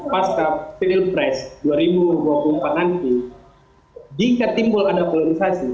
pasca pilpres dua ribu dua puluh empat nanti jika timbul ada polarisasi